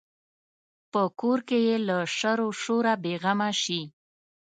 په کور کې یې له شر و شوره بې غمه شي.